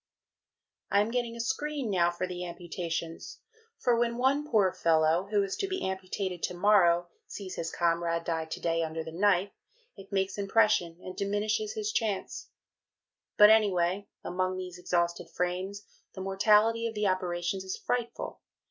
I am getting a Screen now for the amputations, for when one poor fellow, who is to be amputated to morrow sees his comrade to day die under the knife, it makes impression and diminishes his chance. But, anyway, among these exhausted Frames, the mortality of the operations is frightful.